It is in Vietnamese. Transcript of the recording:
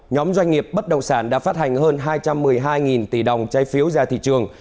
nhóm doanh nghiệp bất động sản đã phát hành hơn hai trăm một mươi hai tỷ đồng trái phiếu ra thị trường